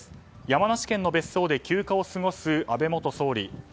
山梨県の別荘で休暇を過ごす安倍元総理。